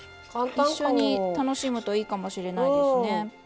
一緒に楽しむといいかもしれないですね。